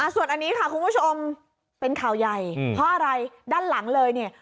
ส่วนอันนี้ค่ะคุณผู้ชมเป็นข่าวใหญ่เพราะอะไรด้านหลังเลยเนี่ย